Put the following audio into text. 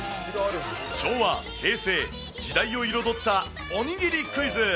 昭和・平成、時代を彩ったおにぎりクイズ。